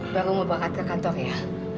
baru mau bakat ke kantor ya